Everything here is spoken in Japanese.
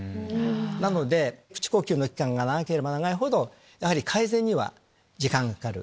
なので口呼吸の期間が長ければ長いほど改善には時間がかかる。